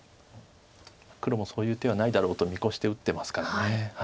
黒もそういう手はないだろうと見越して打ってますから。